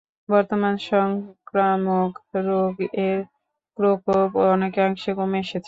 বর্তমানে সংক্রামক রোগ এর প্রকোপ অনেকাংশে কমে এসেছে।